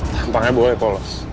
tampangnya boleh kolos